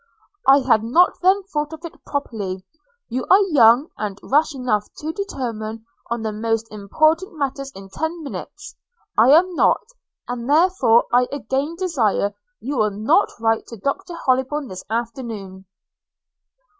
'I had not then thought of it properly. You are young, and rash enough to determine on the most important matters in ten minutes – I am not; and therefore I again desire you will not write to Dr Hollybourn this afternoon.'